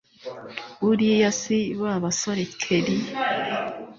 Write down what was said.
buriya si babasore kelli